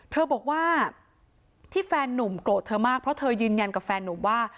เธอบอกว่าที่แฟนนุ่มโกรธเธอมากเพราะเธอยืนยันกับแฟนนุ่มว่า